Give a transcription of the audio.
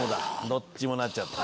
どっちもなっちゃった。